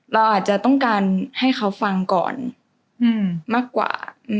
เราอาจจะต้องการให้เขาฟังก่อนมากกว่า